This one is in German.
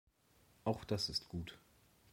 Auch das ist gut.